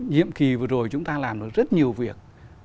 nhiệm kỳ vừa rồi chúng ta làm được rất nhiều việc